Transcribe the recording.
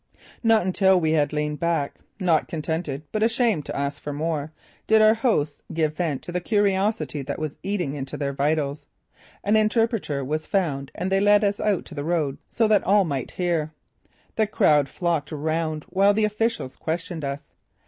Not until we had leaned back, not contented, but ashamed to ask for more, did our hosts give vent to the curiosity that was eating into their vitals. An interpreter was found and they led us out to the road so that all might hear. The crowd flocked around while the officials questioned us.